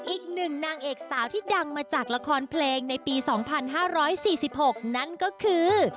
อีกหนึ่งนางเอกสาวที่ดังมาจากละครเพลงในปี๒๕๔๖นั่นก็คือ